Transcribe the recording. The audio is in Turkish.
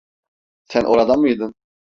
Sen orada mıydın?